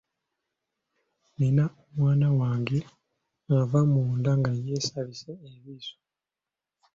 Nina omwana wange ava munda nga yeesabise ebiso.